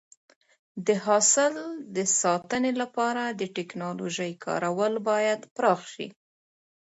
د حاصل د ساتنې لپاره د ټکنالوژۍ کارول باید پراخ شي.